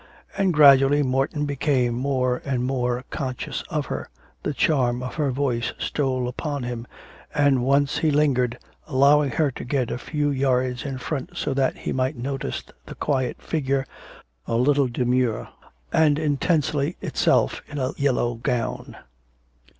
And gradually Morton became more and more conscious of her, the charm of her voice stole upon him, and once he lingered, allowing her to get a few yards in front so that he might notice the quiet figure, a little demure, and intensely itself, in a yellow gown.